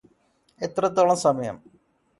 എത്രത്തോളം സമയം